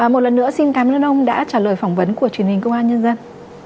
một lần nữa xin cảm ơn ông đã trả lời phỏng vấn của truyền hình công an nhân dân